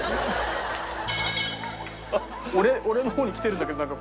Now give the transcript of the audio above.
俺の方に来てるんだけどなんか怖い。